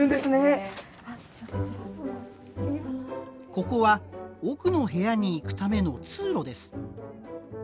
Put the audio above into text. ここは奥の部屋に行くための通路です。